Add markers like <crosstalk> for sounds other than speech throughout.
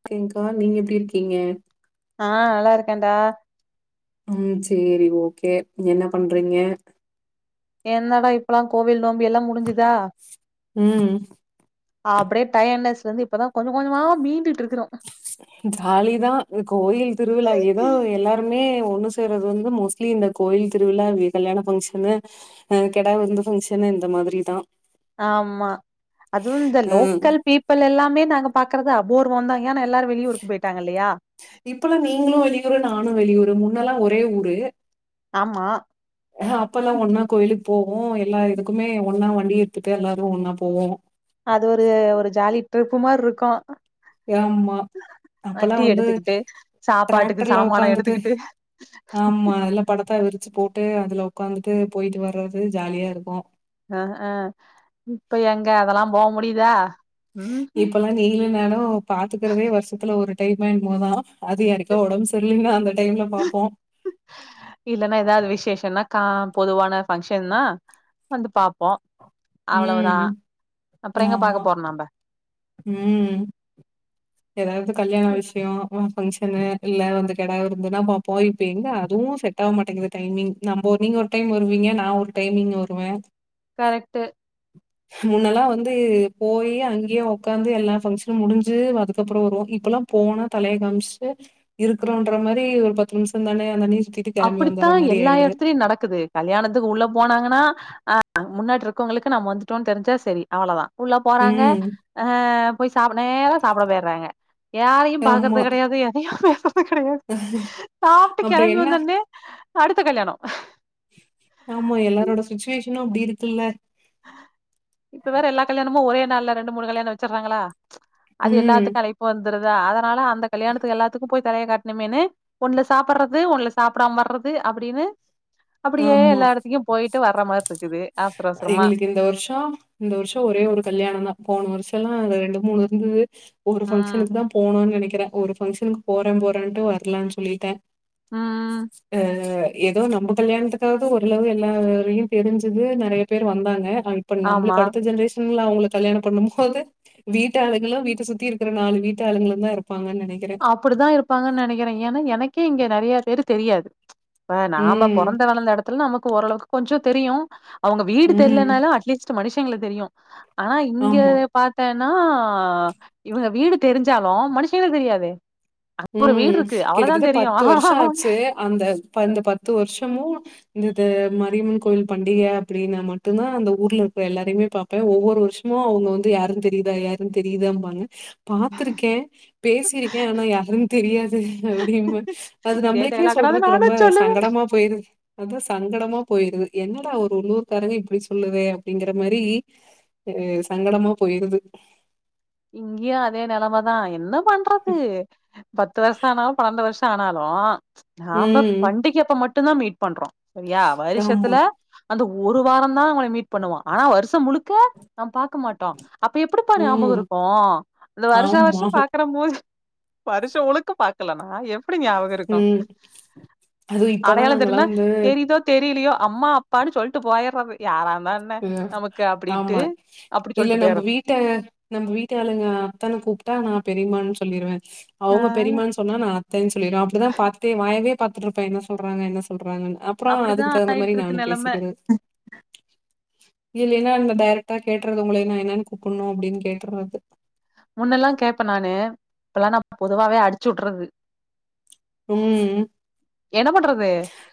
ஓகேங்க்கா நீங்க எப்டி இருக்கீங்க ஆ நல்லா இருக்கன்டா ம் செரி ஓகே நீங்க என்ன பண்றீங்க என்னடா இப்லா கோவில் நோம்பி எல்லா முடிஞ்சுதா ம் அப்டியே டயட்னஸ்ல இருந்து இப்பதா கொஞ்ச கொஞ்சமா மீண்டுட் இருக்கறோ ஜாலிதா கோயில் திருவிழா ஏதோ எல்லாருமே ஒண்ணு சேரதது வந்து மோஸ் வீக்லி௱இந்த கோயில் திருவிழா கல்யாண ஃபங்க்ஷனு கெடா விருந்து பங்க்ஷனு இந்த மாதிரி தா ஆமா அதுவு இந்த ம். லோக்கல் பீப் இப்பல்ல எல்லாமே நாங்க பாக்குறதா அபோர்வந்தா ஏன்னா எல்லாரு வெளி ஊருக்கு போயிட்டாங்க இல்லையா இப்பல்லா நீங்ளு வெளியூரு நானு வெளியூரு முன்னல்லா ஒரே ஊரு ஆமா அ அ அப்பல்லா ஒன்னா கோயிலுக் போவோ எல்லா இதுக்குமே ஒன்னா வண்டி எடுத்துட்டு எல்லாரு ஒன்னா போவோ அது ஒரு ஒரு ஜாலி ட்ரிப்பு மார்ருக்கு ஆமா அப்பல்லா வந்து எடுத்துக்கிட்டு சாப்பாட்டுக்கு டிராக்டர்ல சாமான உக்காந்துட்டு எடுத்துக்கிட்டு ஆமா அதல்லா படத்தா விரிச்சு போட்டு அதுல உக்காந்துட்டு போயிட்டு வர்றது ஜாலியா இருக்கு அ அ இப்ப எங்க அதல்லா போ முடிதா இப்பல்லா நீலு நானு பாத்துக்கிறதே வருஷத்துல ஒரு டைமு என்மோ தா அது யாருகோ உடம்பு சரிலின்னா அந்த டைம்ல பாப்போ இல்ன்னா ஏதாவது விசேஷஷனா கா பொதுவான பங்க்ஷன்னா வந்து பாப்போ அவ்ளோவுதா ம். அப்பற எங்க ஆமா. பாக்க போறோ நம்ம ம் ஏதாவது கல்யாண விஷ்யோ ஒரு ஃபங்க்ஷனு இல்ல வந்து கெடா விருந்துன்னா போய் இப்ப எங்க அதுவு செட் செட்டாவ மாட்டேங்குது டைமிங் நம்ம நீங்க ஒரு டைம் வருவீங்க நா ஒரு டைமிங் வருவ கரெக்ட்டு முன்னல்லா வந்து போயி அங்கேயே உட்காந்து எல்லா பங்க்ஷனு முடிஞ்சு அதுக்கப்பற வருவோ இப்பல்லா போன தலைய காம்ச்ட்டு இருக்றோன்ற மாரி ஒரு பத்து நிம்ஷோ தான அந்த நீர் சுத்தி அப்டித்தா எல்லா இடத்துலயு நடக்குது கல்யாணத்துக்கு உள்ள போனாங்கன்னா அ முன்னாட் இருக்கவுங்களுக்கு நம்ம வந்துட்டோன் தெரிஞ்சா செரி அவ்வளதா உள்ள போறாங்க ம். அ போய் சாப்ப நேரா சாப்ட போயிட்றாங்க யாரையு ஆமா. பாக்கறது கடையாது எதையு பேசுறது கடையாது சாப்ட்டு அப்புறம் கெளம்பி என்ன வந்த டு அடுத்த கல்யாணோ ஆமா எல்லாரோட சுச்சுவேஷனு அப்டி இருக்குல்ல இப்ப வேற எல்லா கல்யாணமு ஒரே நாள்ல ரெண்டு மூணு கல்யாணம் வச்சர்றாங்ளா அது ம். எல்லாத்துக்கு அழைப்பு வந்துருதா அதனால அந்த கல்யாணத்துக்கு எல்லாத்துக்கு போய் தனியா காட்ணுமேன்னு ஒண்ணுல சாப்பட்றது ஒண்ணு சாப்டாம வர்றது அப்டின்னு அப்டியே ஆமா. எல்லா இடத்துக்கு போயிட்டு வர்ற மார் இருக்குது ஆவுஸ்ர அவுஸ்ரமா எங்களுக்கு இந்த வர்ஷோ இந்த வர்ஷோ ஒரே ஒரு கல்யாணந்தா போன வர்ஷலா ரெண்டு மூணு இருந்துது ஒரு ம் ஃபங்க்ஷனுக்கு தா போனோன் நனைக்கிற ஒரு பங்க்ஷனுக்கு போற போறான்ட்டு வர்லன் சொல்லிட்ட ம் அ ஏதோ நம்ப கல்யாணத்துக்காது ஓரளவு எல்லாரையு தெரிஞ்சது நறைய பேர் வந்தாங்க இப்ப ஆமா. நம்மளுக்கு அடுத்த ஜென்ரேஷ் ங்ள அவுங்கள கல்யாணம் பண்ணும் போது வீட்டு ஆளுங்களு வீட்ட சுத்தி இருக்கிற நாலு வீட்டு ஆளுங்களு தா இருப்பாங்கன் நனைக் அப்டித்தா இருப்பாங்கன் நனைக்கிற ஏன்னா எனக்கே இங்க நெறைய பேரு தெரியாது இப்ப நாம ம் பொறந்த வளர்ந்த எடத்துல நமக்கு ஓரளவுக்கு கொஞ்சோ தெரியு அவங்க வீடு ம் தெரியிலனாலு அட்லீஸ்ட் ச மனுஷங்கல தெரியு ஆனா இங்க ஆமா பாத்தேன்னா இவுங்க வீடு தெரிஞ்சாலு மனுஷங்களுக்கு தெரியாது அங்க ஒரு வீடு ம். இருக்கு அவ்ளோதா கிட்டத்தட்ட தெரியு வருஷம் ஆச்சு. அந்த பந்த பத்து வருஷமும் இந்தது மாரியம்மன் கோயில் பண்டிகை அப்படினா மட்டுந்தான் அந்த ஊர்ல இருக்கற எல்லாரையுமே பா இப்ப ஒவ்வொரு வருஷமும் அவுங்க வந்து யாரும் தெரியுதா யாரும் தெரியுதான்பாங்க துருக்கே பேசிருக்கே ஆனா யாரு அதும் தெரியாது அப்டின்னு அது இதே நம்பளுக்கே டயலாக் நானும் சொல்றக் ரொம்ப சொல்லுவேன். சங்கடமா போயிருது அதா சங்கடமா போயிருது என்னடா அவ ஒரு உள்ளூர்கக்காரங்க இப்பிடி சொ சொல்லுவே அப்பிடிங்கிற மாரி அ சங்கடமா போயிருது இங்குயு அதே நெலமதா என்ன பண்றது பத்து வர்ஷோ ஆனாலு பன்னெண்டு வருஷோ ஆனாலு நாம்ப ம். பண்டிகை அப்ப மட்டுநாதா மீட் பண்றோ சரியா ஆமா. வருஷத்துல அந்த ஒரு வார தா அவங்கள மீட் பண்ணுவோ ஆனா வருஷோ முழுக்க நம் பாக்க மாட்டோ அப்ப எப்படிப்பா ஞாபகம் ம். இருக்கு கோ இந்தந்த வருஷா ஆமா. வருஷோ பாக்கற மூஞ்சி வருஷோ முழுக்க பாக்கலன்னா எப் எப்டி ஞாபகோ இருக்கு ம். அதுவும் இப்பதான் அடையாளோ நாங்கல்லாம் தெரினா வந்து தெரிதோ தெரியிலையோ அம்மா அப்பான்னு சொல்லிட்டு போயிட்றது யாராவத் மான்ன ம், நமக்கு அப்பிடின்னு அப்புடி சொல்லிட்டு பேயிர்ற த நம்ம வீட்டு ஆளுங்க அத்தானு கூப்ட்டா நா பெரியமான்னு சொல்லிருவே ஆ அவுங்க பெரியமான் சொல் சொன்னா நா அத்தைன் சொல்லிடுவே அப்படிதா இப்பத்தையே வாயவே பாத்துட்டு இருப்பே என்ன சொல்றாங்க என்ன சொல்றாங்கன்னு அப் அப்புறோ அப்டிதா அதுக்கு தகுந்த மாரி நானு ஆயிட்ருக்கு நெலம பேசிக்கிறது இல்லைன்னா இந்த டேரெக்டா கேட்டுறது மூலியம்மா என்னன்னு கூப்புட்ணு அப்படின்னு கேட்டுறது முன்னெல்லா கேட்பே நானு இப்பல்லா நம்ம பொதுவாவே அடிச்சு உட்றது ம் என்ன பண்றது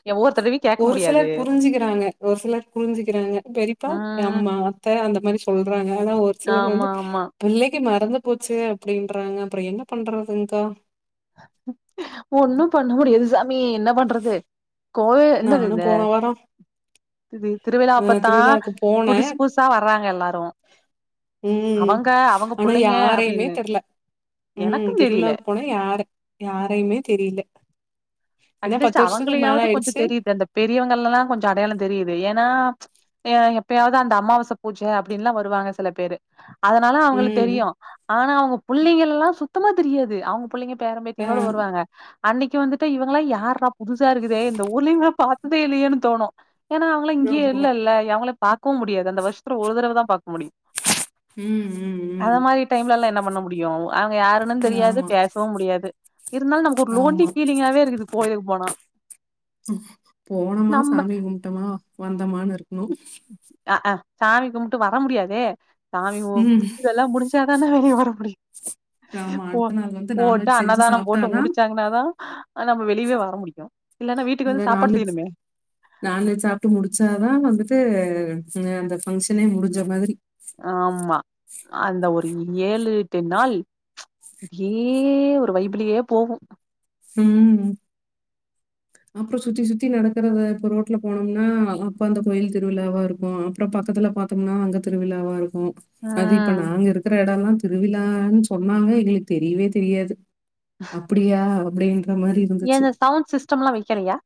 எ ஒவ்வொரு தடவையு கேக்க ஒரு முடியாது சிலர் புரிஞ்சுக்கிறாங்க ஒரு சிலர் புரிஞ்சுக்கிறாங்க பெரிப் அப்பா ம் எங்கம்மா அத்த அந்த மாதிரி சொல்றாங்க ஆனா ஒரு சிலர் ஆமா வந்து ஆமா புள்ளைங்க மறந்து போச்சு அப்படின்றாங்க அப்புறோ என்ன பண்றதுங்தா ஒண்ணு பண்ண முடியாது சாமி என்ன பண்றது கோவில் என்னது நானும் இது போன வாரம் இத் அ திருவிழாப்பத்தா திருவிழாவுக்கு போனே புதுசு புதுசா வர்றாங்க எல்லாரு ம் அவங்க அவங்க ஆனா புள்ளைங்க யாரையுமே அப்டின்னு தெர்ல ம் எனக்கு திருவிழா தெரியல போன யா யாரையுமே தெரில ஏன்னா அட்லீஸ்ட் பத்து வருஷத்துக்கு மேல அவங்களையாவது கொஞ்சோ ஆயிடுச்சு தெரியுது அந்த பெரியவங்கலெல்லா கொஞ்சோ அடையாளோ தெரியுது ஏன்னா அ எப்பயாவது அந்த அமாவாசை பூஜை அப்படின்னுல்லா வருவாங்க சில பேரு அதனால அவங்கள ம் தெரியு ஆனா அவங்க புள்ளைங்க எல்லா சுத்தமா தெரியாது அவங் புள்ளைஙக் பேர அ பேத்துயுட வருவாங்க அன்னைக்கியு வந்து இவங்கள யார்டா புதுசாருக்குதே இந்த ஊர்லயே இவுங்க பாத் <unintelligible> இல்லையன்னு தோணு ஏன்னா அவங்களா இங்கேய ஆமா இல்லல்ல அவங்கள பாக்கவு முடியாது அந்த வருஷ்த்துல ஒரு தடவ தா பாக் முடியு ம் ம் அத ம் மாரி டைம்லெல்லா என்ன பண்ண முடியு அவங்க யாருன்னு தெரியாது ஆமா பேசவு முடியாது இருந்தாலு நமக்கு ஒரு ஆமா லோன்ட்லிக் ஃபீலிங்காவே இருக்குது கோயிலுக்கு போனா நம்ம மா வந்தமான்னு இருக்கணு அ ஹா சாமி கும்புட்டு வர முடியாதே சாமி கும் ம் இதுவெல்லா முடிஞ்சு <unintelligible> ஆமா அடுத்த நாள் வந்து பூ போட்டு நான்வெஜ் செஞ்சு அன்னதானோ போட்டு சாப்ட்டாதா முடிச்சாங்கன்னா தா நம்ம வெளியே வர முடியு இல்லனா வீட்டுக்கு அத வந்து சாப்பாடு நான்வெஜ் செய்யணுமே நான்வெஜ் சாப்புட்டு முடிச்சாதா வந்துட்டு அந்த ஃபங்க்ஷனே முடிஞ்ச மாதிரி ஆமா அந்த ஒரு ஏழு எட்டு நாள் அப்டியே ஒரு வைப்லே போகு ம் அப்றோ சுத்தி சுத்தி நடக்குறது இப்ப ரோட்ல போனோம்னா அப்ப அந்த கோயில் திருவிழாவா இருக்கு‌ அப்றோ பக்கத்துல பா பாத்தம்னா அங்க திருவிழாவா இருக்கு அது இப்ப ம் நாங்க இருக்கிற இடல்லா திருவிழானு சொனாங்க எங்களுக்கு தெரிவே தெரியாது அப்டியா அப்டின்ற மாரி ஏ இருந்துச்சு. அந் சவுண்ட் சிஸ்டம்ல்லா வக்கிலையா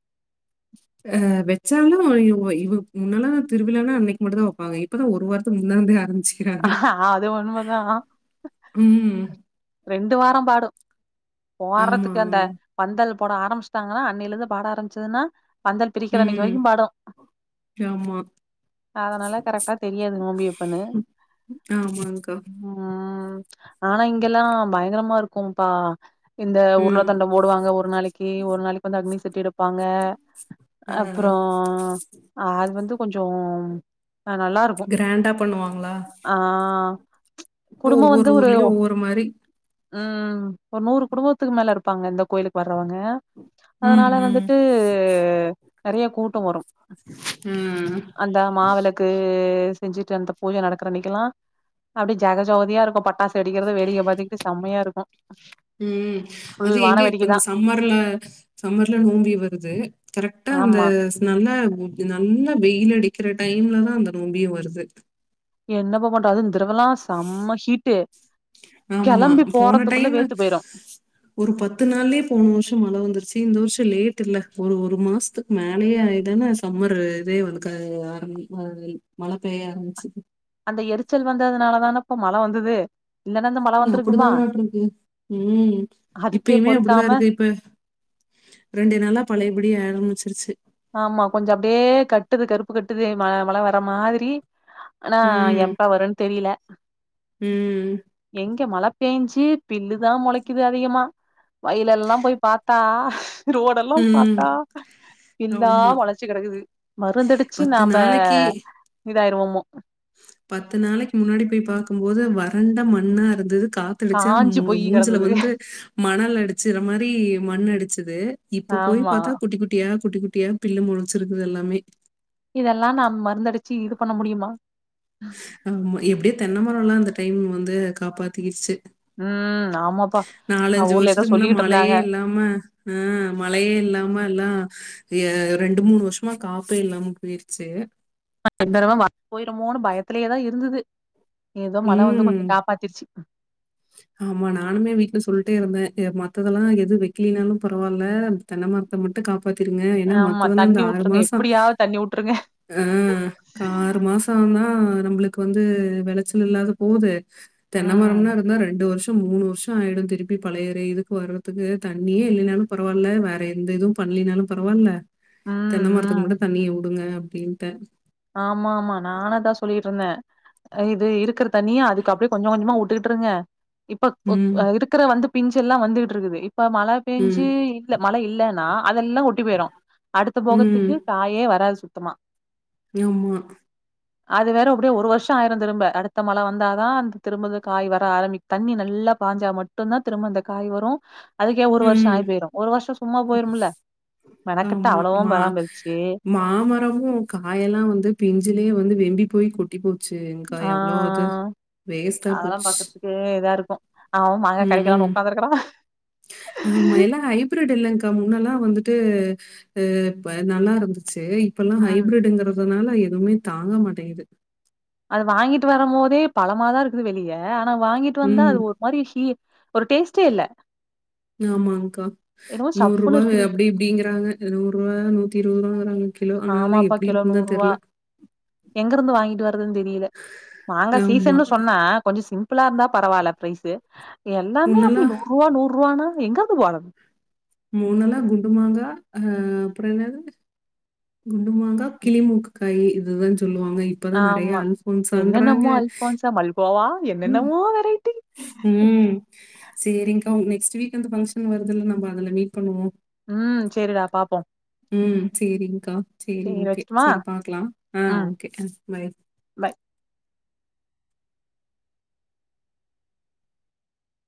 அ வச்சாலு இவ இவ முன்னால திருவிழானா அன்னைக்கு மட்டு தா வப்பாங்க இப் இப்பதா ஒரு வாரத்துக்கு முன்னாலே ஆரம்பிச்சி ஆ அது உண்மதா ம். ரெண்டு வார பாடு ஆமா. போட்றதுக்கு அந்த பந்தல் போட ஆரம்பச்சிடாங்ன்னா அன்னிலருந்து பாட ஆரம்பச்துன்னா பந்தல் பிரிக்கிற அன்னைக்கு ம். வரைக்கு பாடு ஆமா அதனால கரெக்டா தெரியாது நோம்பி எப்பனு ஆமாங்க்கா ம் ஆனா இங்கெல்லா பயங்கரமா இருக்குப்பா இந்த உருளா ம். தண்டம் ஓடுவாங்க ஒரு நாளைக்கு ஒரு நாளைக்கு வந்து அக்னி சட்டி எடுப்பாங்க ஆ. அப்றோ அது வந்து கொஞ்சம் நல்லா இருக்கு க்ராண்டா பண்ணுவாங்ளா ஆ குடும்போ ஒவ்வொரு வந்து ஒரு ஊர்லயு ஒவ்வொரு மாரி ம் ஒரு நூறு குடும்பத்துக்கு மேல இருப்பாங்க இந்த கோயிலுக்கு வறவங்க ம், அதனால ம். வந்துட்டு நெறைய கூட்ட வரு ஆ. அந்த மாவிளக்கு செஞ்சுட்டு அந்த பூஜ நடக்கிற அன்னைகுளா அப்டியே ஜெக ஜோதியா இருக்கு பட்டாசு வெடிக்கிறது வேடிக்கை பாத்துட்டு செம்மையா இருக்கு ம் அது ஃபுல் எங்க வான இப்ப வேடிக்கை இந்த தா சம்மர்ல சம்மர்ல நோம்பி வருது கரெக்டா அந்த ஆமா நல்ல நல்லா வெயில் அடிக்கிற டைம்ல தா அந்த நோம்பியே வருது என்னப்பா பண்ற அது இந்தரவலா செம்ம ஹிட்டு ஆமா. கிளம்பி போன போறதுக்குள்ள டைம் வேத்து போயிரு ஒரு பத்து நாள்லே போன வருஷ மழ வந்துருச்சு இந்த வருஷ லேட் இல்ல ஒரு ஒரு மாசத்துக் மேலேயே ஆய்தான சம்மர் இதே வந்து ஆர ஆ மழ பெய்ய ஆரம்பிச்சுது அந்த எரிச்சல் வந்ததுனால தானப்பா மழ வந்தது இல்லன்னா இந்த மழ வந்திருக்குமா அப்டிதானட்டுருக்கு ம் அதுக்கே இப்பயுமே அப்டிதா பொறுக்காம இருக்கு இப்ப ரெண்டு நாளா பழையபடி ஆரம்மிச்சிருச்சு ஆமா கொஞ்ச அப்டியே கட்டுது கருப்பு கட்டுது ம மழ வர மாதிரி ஆனா ம். எப்பா வரனு தெரில ம் எங்க மழ பேஞ்சு பில்லு தா முளைக்குது அதிகமா வயலெல்லா போய் பாத்தா ரோடெல்லா ம். பாத்தா புல்லா ஆமா. மொளச்சி கிடக்குது மருந்தடிச்சு நாப நாளைக்கு இதாயிருவோமோ பத்து நாளைக்கு முன்னாடி போய் பாக்குபோது வறண்ட மண்ணா இருந்தது கா தெளிச்சா காஞ்சு மு போய் மூஞ்சுல கெடந்தது வந்து மணல் அடிச்சுற மாரி மண் அடிச்சுது இப்ப போய் ஆமா பாத்தா குட்டி குட்டியா குட்டி குட்டியா பில்லு மொளச்சிறுக்து எல்லாமே இதெல்லா நா மருந்தடுச்சு இது பண்ண முடியுமா அ எப்டியோ தென்னைமரல்லா அந்த டைம் வந்து காப்பாத்திகிச்சு ம் ஆமாப்பா அ நாலஞ்சு ஊர்ல ஏதோ வருஷத்துக்கு முன்ன சொல்லிட்டு மழையே இருந்தாங்க இல்லாம அ மழையே இல்லாம எல்லா என் ரெண்டு மூணு வருஷமா காஃபே இல்லாம போயிருச்சு <unintelligible> போய்ருமோன்னு பயத்திலயேதா இருந்துது ஏதோ மழ வந்து ம். கொஞ்சோ காப்பாத்திருச்சு ஆமா நானுமே வீட்ல சொல்லிட்டே இருந்தேன் மத்ததெல்லா எது வெக்கலினாலும் பரவால்ல தென்ன மரோ அத மட்டு காப்பாத்திருங்க ஏனா ஆமா மத்ததல்லா இந்த தண்ணி ஆறு வுட்டுருங்க மாசோ எப்டியாவது தண்ணி வுட்டுருங்க அ கா ஆறு மாசந்தான் நம்பளுக்கு வந்து வெளைச்சல் இல்லாது போது தென்ன ம் மரம்னா இன்னு ரெண்டு வருஷோ மூணு வருஷோ ஆயிடு திருப்பி பழையற இரு இதுக்கு வர்றதுக்கு தண்ணியே இல்லைனாலு பரவால்ல வேற எந்த இதுவும் பண்லினாலும் பரவால்ல ம் தென்ன ம் மரத்துக்கு மட்டு தண்ணியைவுடுங்க அப்டின்ட்டு ஆமா ஆமா நானு அதா சொல்லிட்டு இருந்தன் இது இருக்கற தனியா அதுக்கு அப்டியே கொஞ்சோ கொஞ்சமா வுட்டுக்கிட்டு இருங்க இப்ப ம், இருக்கற வந்து பிஞ்செல்லா வந்துகிட்டு இருக்குது இப்ப மழ ம், பேஞ்சு இல்ல மழ இல்லன்னா அதெல்லா ட்டுபோயிரு அடுத்த ம். போகத்துக்கு காயே வராது சுத்தமா ஆமா அது வேற அப்டியே ஒரு வருஷோ ஆயிரும் திரும்ப அடுத்த மழை வந்தாதா அந்த திரும்பது காய் வர ஆரம்பி தண்ணி நல்லா பாஞ்சா மட்டுந்தான் திரும்ப அந்த காய் வரு அதுக்கே ஒரு வருஷோ ம். ஆயி போயிரு ஒரு வருஷோ சும்மா போயிருமல்ல மெனக்கெட்டு ஆமா. அவ்ளவும் மா பராமரிச்சு மாமரமும் காயெல்லா வந்து பிஞ்சிலயே வந்து வெம்பி போய் கொ கொட்டி போச்சு ஆ என்காய் அவ்ளோ அது வேஸ்ட்டா போச்சு க்கு இதா இருக்கு அவன் அவன் மாங்கா ம், கெடைக்கலன்னு ம். உக்காந்திருக்கறான் ஆமா எல்லா ஹைப்ரிட் இல்லங்க்கா முன்னல்லா வந்துட்டு அ இப்ப நல்லா இருந்துச்சு இப்பல்லா ம். ஹைப்ரிடுங்கறதுனால எதுமே தாங்க மாட்டீங்குது அத வாங்கிட்டு வரும்போதே பழமாதா இருக்குது வெளிய ஆனா வாங்கிட்டு வந்தா ம். அது ஒ மாரி ஷீ ஒரு டேஸ்ட்டே இல்ல ஆமாங்க்கா என்னமோ நூறு சப்புன்னு ரூபா இருக்குது. அப்டி இப்டிங்கறாங்க நூறு ரூபா நூத்தி இருவது ரூபாங்கறாங்க கிலோ ஆனா அதெல்லா எப்டி இருக்குன்தா தெர்ல எங்கிருந்து வாங்கிட்டு வர்றதுன்னு தெரில மாங்கா ஆமா. சீசன்னு சொன்னா கொஞ்சோ சிம் இப்பல்லா இருந்தா பரவால பிரைஸு எல்லாமே அப்டி முன்னெல்லாம் நூறு ரூபா நூறு ரூவான்னா எங்கிருந்து போறது மூணுல்லா குண்டு மாங்கா அ அப்பற என்னது குண்டு மாங்கா கிளிமூக்குக்காய் இதுதான் சொல்லுவாங்க இப்பதான் நெறையா ஆமா. அல்போன்ஸ்ன்றாங்க என்னென்னமோ அல்ஃபான்ஸா, மல்கோவா ம் என்னென்னமோ வெரைட்டி. ம் சேரி்ங்க்கா நெக்ஸ்ட் வீக் வந்து ஃபங்க்ஷன் வருதல்ல நம்ம அதுல மீட் பண்ணுவோ ம் சேரிடா பாப்போ ம் சேரி்ங்க்கா சேரி ஓகே வச்சுட்டுமா? சேரி பாக்கலா ஆ ம். Okay bye by.